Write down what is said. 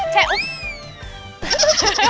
เชฟ